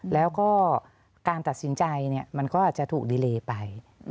แล้วก็การตัดสินใจมันก็อาจจะถูกดีเลไป